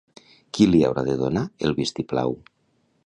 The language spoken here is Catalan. Qui li haurà de donar el vist-i-plau?